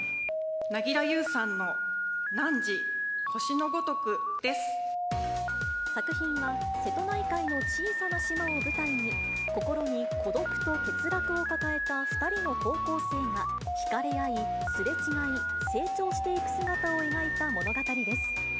凪良ゆうさんの汝、星のごと作品は、瀬戸内海の小さな島を舞台に、心に孤独と欠落を抱えた２人の高校生が引かれ合い、すれ違い、成長していく姿を描いた物語です。